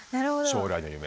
将来の夢。